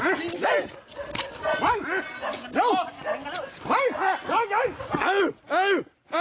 ลูกมาเอาเลยคล่องไปดิ